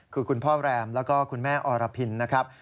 คือคุณพ่อแรมแล้วก็คุณแม่อรพินนะครับ